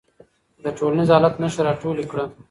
د ټولنیز حالت نښې راټولې کړه.